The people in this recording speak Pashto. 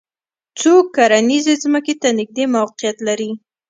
څوک کرنیزې ځمکې ته نږدې موقعیت لري